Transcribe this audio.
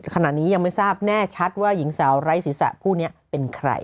ขณะนี้ยังไม่ทราบแน่ชัดว่าหญิงสาวไร้ศีรษะผู้นี้เป็นใคร